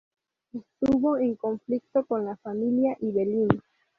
Estuvo en conflicto con la familia Ibelín.